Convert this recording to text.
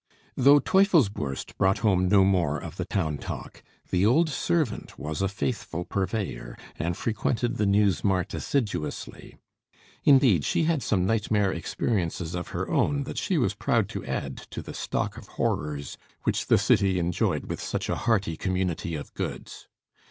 Though Teufelsbürst brought home no more of the town talk, the old servant was a faithful purveyor, and frequented the news mart assiduously. Indeed she had some nightmare experiences of her own that she was proud to add to the stock of horrors which the city enjoyed with such a hearty community of goods.